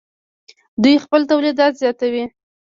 دوی خپل تولیدات زیاتوي.